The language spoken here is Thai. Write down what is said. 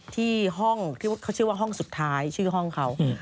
ที่ห้องที่เขาชื่อว่าห้องสุดท้ายชื่อห้องเขา